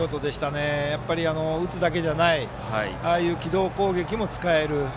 やはり、打つだけじゃないああいう機動攻撃も使える。